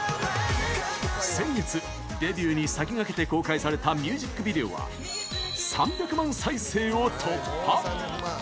先月、デビューに先駆けて公開されたミュージックビデオは３００万再生を突破！